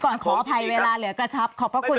ก่อนขออภัยเวลาเหลือกระชับขอบคุณค่ะ